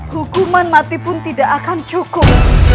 hukuman mati pun tidak akan cukup